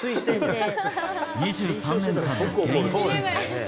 ２３年間の現役生活。